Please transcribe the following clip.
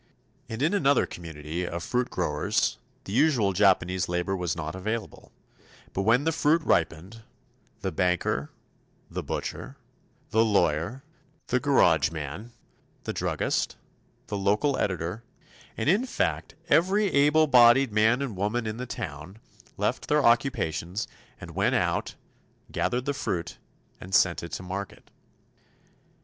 And in another community of fruit growers the usual Japanese labor was not available; but when the fruit ripened, the banker, the butcher, the lawyer, the garage man, the druggist, the local editor, and in fact every able bodied man and woman in the town, left their occupations and went out, gathered the fruit, and sent it to market.